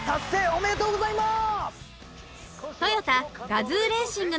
おめでとうございます！